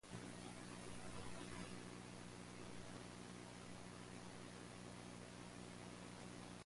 Haub concentrated the Tengelmann group business on the retail trade.